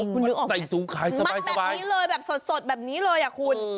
มักแบบนี้แรงแบบสดแบบนี้เลยรู้ไหมคุณ